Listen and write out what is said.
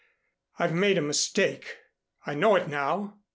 I've made a mistake. I know it now.